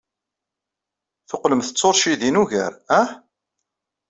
Teqqlemt d tuṛcidin ugar, ah?